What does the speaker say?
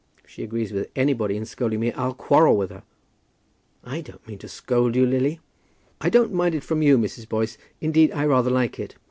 "If she agrees with anybody in scolding me I'll quarrel with her." "I didn't mean to scold you, Lily." "I don't mind it from you, Mrs. Boyce. Indeed, I rather like it.